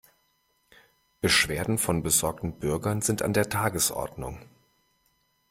Beschwerden von besorgten Bürgern sind an der Tagesordnung.